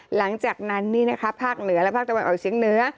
หลังจากนั้นนี่นะคะภาคเหนือและภาคตะวันออกเชียงเหนือ